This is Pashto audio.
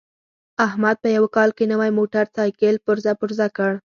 احمد په یوه کال کې نوی موټرسایکل پرزه پرزه کړ.